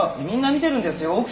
みんな見てるんですよ